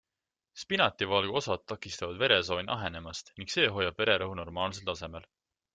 Spinativalgu osad takistavad veresooni ahenemast ning see hoiab vererõhu normaalsel tasemel.